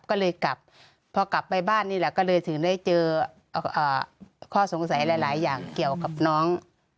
ก็เลยกลับพอกลับไปบ้านนี่แหละก็เลยถึงได้เจอข้อสงสัยหลายอย่างเกี่ยวกับน้อง